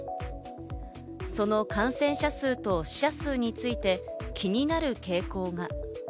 その感染者数と死者数について、気になる傾向が。